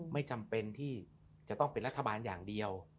ไม่จำเป็นที่จะต้องเป็นรัฐบาลอย่างเดียว